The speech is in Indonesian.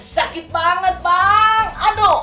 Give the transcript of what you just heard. sakit banget bang aduh